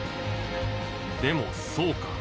でもそうか。